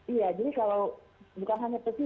iya jadi kalau bukan hanya peti